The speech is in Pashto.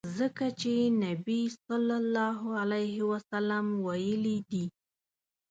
ځکه چي نبي ص ویلي دي.